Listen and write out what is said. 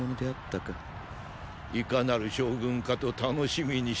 いかなる将軍かと楽しみにしておったのに。